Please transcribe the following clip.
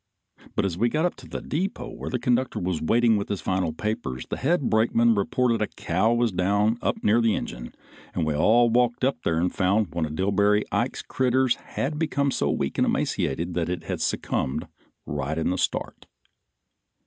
But as we got up to the depot where the conductor was waiting with his final papers, the head brakeman reported a cow was down up near the engine, and we all walked up there and found that one of Dillbery Ike's critters had become so weak and emaciated that it had succumbed right in the start.